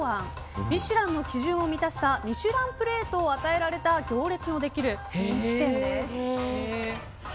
「ミシュラン」の基準を満たしたミシュランプレートを与えられた行列のできる人気店です。